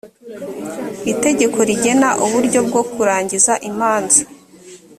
itegeko rigena uburyo bwo kurangiza imanza